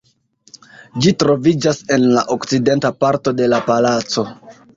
Ĝi troviĝas en la okcidenta parto de la palaco.